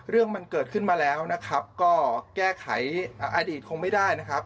เรื่องมันเกิดขึ้นมาแล้วนะครับก็แก้ไขอดีตคงไม่ได้นะครับ